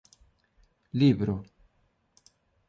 Libro